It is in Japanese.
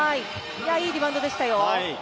いいリバウンドでしたよ。